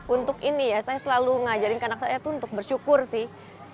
untuk ini ya saya selalu ngajarin anak saya itu untuk bersyukur sih